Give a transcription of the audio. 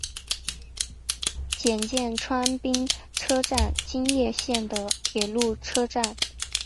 检见川滨车站京叶线的铁路车站。